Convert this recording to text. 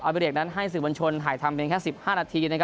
อับเบรกนั้นให้สื่อบัญชนหายทำเป็นแค่๑๕นาที